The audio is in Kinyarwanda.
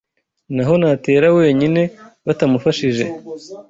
Na ho natera wenyine batamufashije